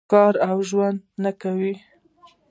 کار او ژوند نه کوي.